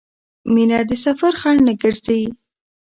مینه د سفر خنډ نه ګرځي.